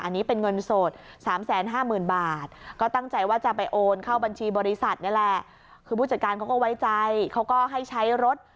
อันนี้เป็นเงินสด๓๕๐๐๐บาทก็ตั้งใจว่าจะไปโอนเข้าบัญชีบริษัทนี่แหละคือผู้จัดการเขาก็ไว้ใจเขาก็ให้ใช้รถ